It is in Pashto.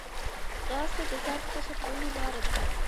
ځغاسته د ځان کشف کولو لاره ده